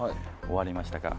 終わりましたか？